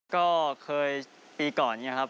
ก็เคยปีก่อนเนี่ยครับ